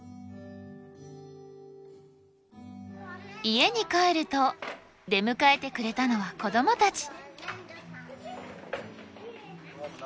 家に帰ると出迎えてくれたのは子どもたち。